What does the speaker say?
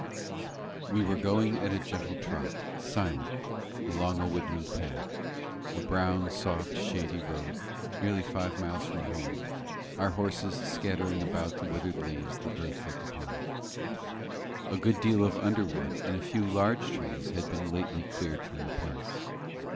We were going at a gentle trot, silent, along a woodland path a brown, soft, shady road, nearly five miles from home, our horses scattering about the withered leaves that lay thick upon it. A good deal of underwood and a few large trees had been lately cleared from the place.